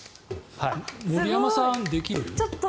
森山さん、できる？